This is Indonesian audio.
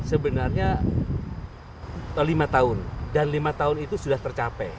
sebenarnya lima tahun dan lima tahun itu sudah tercapai